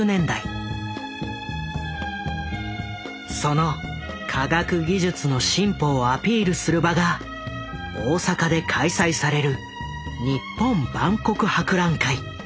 その科学技術の進歩をアピールする場が大阪で開催される日本万国博覧会。